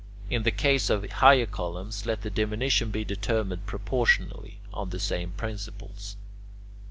In the case of higher columns, let the diminution be determined proportionally, on the same principles.